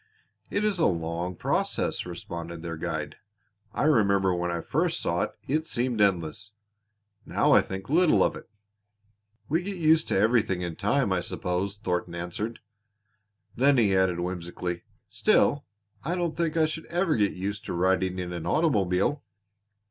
"It is a long process," responded their guide. "I remember when I first saw it, it seemed endless. Now I think little of it." "We get used to everything in time, I suppose," Thornton answered; then he added whimsically: "Still, I don't think I should ever get used to riding in an automobile."